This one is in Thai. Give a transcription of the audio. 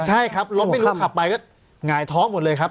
ใช่ครับรถไม่รู้ขับไปก็หงายท้องหมดเลยครับ